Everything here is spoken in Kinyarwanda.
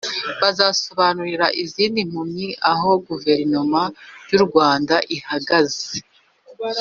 bazasobanurira izindi mpunzi aho guverinoma y'u rwanda ihagaze.